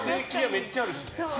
めっちゃあるし。